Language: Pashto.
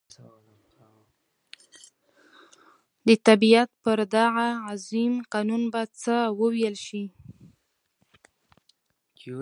د طبعیت پر دغه عظیم قانون به څه وویل شي.